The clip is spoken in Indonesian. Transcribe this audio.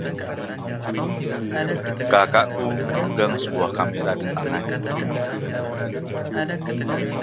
Kakakku memegang sebuah kamera di tangannya.